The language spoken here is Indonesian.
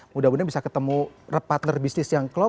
mudah mudahan bisa ketemu partner bisnis yang klop